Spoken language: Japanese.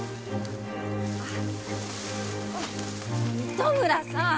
糸村さん！